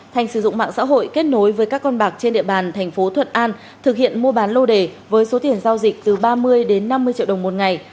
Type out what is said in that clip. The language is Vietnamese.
thành sử dụng mạng xã hội kết nối với các con bạc trên địa bàn thành phố thuận an thực hiện mua bán lô đề với số tiền giao dịch từ ba mươi đến năm mươi triệu đồng một ngày